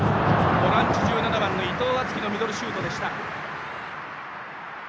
ボランチ、１７番伊藤敦樹のミドルシュートでした。